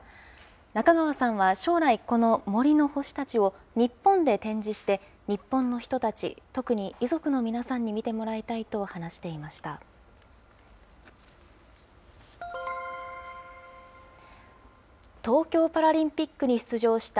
中川さんは将来、この森の星たちを日本で展示して、日本の人たち、特に遺族の皆さんに見てもらいたいと話していました。